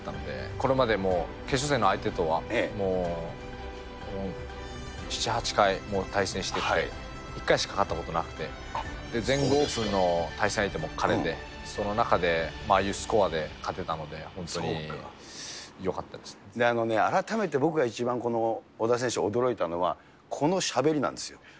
これまでも、決勝戦の相手とは、もう、７、８回対戦してきて、１回しか勝ったことなくて、全豪オープンの対戦相手も彼で、その中でああいうスコアで勝てたあのね、改めて僕が一番小田選手、驚いたのはこのしゃべりなんですよ。